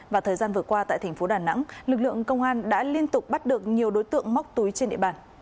và thời gian vừa qua tại thành phố đà nẵng lực lượng công an đã liên tục bắt được nhiều đối tượng móc túi trên địa bàn